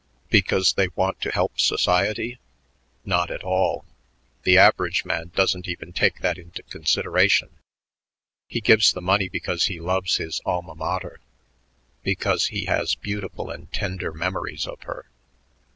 Because they want to help society? Not at all. The average man doesn't even take that into consideration. He gives the money because he loves his alma mater, because he has beautiful and tender memories of her.